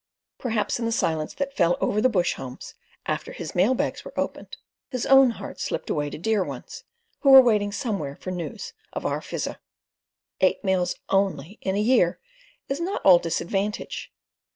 Perhaps in the silence that fell over the bush homes, after his mail bags were opened, his own heart slipped away to dear ones, who were waiting somewhere for news of our Fizzer. Eight mails ONLY in a year is not all disadvantage.